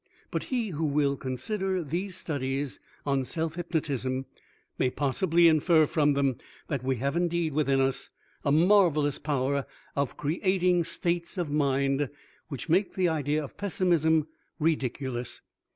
But he who will consider these studies on Self Hypnotism may possibly infer from them that we have indeed within us a marvelous power of creating states of mind which make the idea of Pessimism ridiculous.